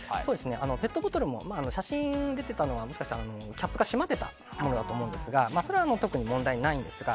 ペットボトルも写真で出ていたのはもしかしたらキャップが閉まっていたものだと思うんですがそれは特に問題ないんですが